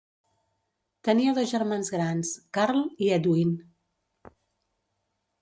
Tenia dos germans grans: Karl i Edwin.